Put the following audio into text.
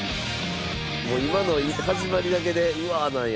もう今の始まりだけで「うわー！」なんや。